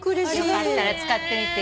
よかったら使ってみて。